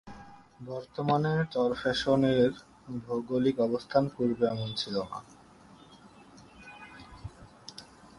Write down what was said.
বর্তমানে চরফ্যাশন এর ভৌগোলিক অবস্থান পূর্বে এমন ছিল না।